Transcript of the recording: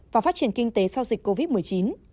và phát triển kinh tế sau dịch covid một mươi chín